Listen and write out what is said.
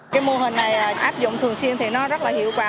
cái mô hình này áp dụng thường xuyên thì nó rất là hiệu quả